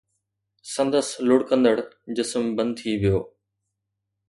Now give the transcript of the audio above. سندس لڙڪندڙ جسم بند ٿي ويو